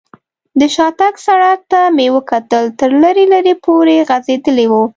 د شاتګ سړک ته مې وکتل، تر لرې لرې پورې غځېدلی و.